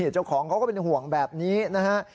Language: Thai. เจ้าของเขาก็เป็นห่วงแบบนี้นะฮะ